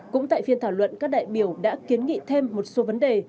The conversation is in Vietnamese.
cũng tại phiên thảo luận các đại biểu đã kiến nghị thêm một số vấn đề